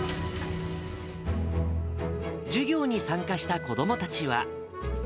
授業に参加した子どもたちは。